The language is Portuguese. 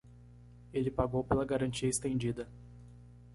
Ele pagou pela garantia extendida